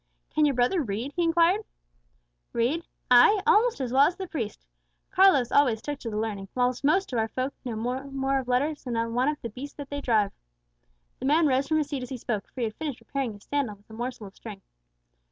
"Can your brother read?" he inquired. "Read! ay, almost as well as the priest. Carlos always took to the learning, whilst most of our folk know no more of letters than one of the beasts that they drive." The man rose from his seat as he spoke, for he had finished repairing his sandal with a morsel of string.